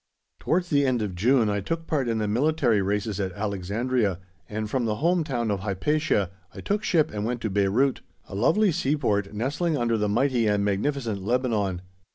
Towards the end of June I took part in the military races at Alexandria, and from the "home town" of Hypatia I took ship and went to Beyrout a lovely seaport, nestling under the mighty and magnificent Lebanon.